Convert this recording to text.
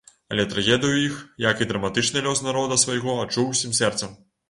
Але трагедыю іх, як і драматычны лёс народа свайго, адчуў усім сэрцам.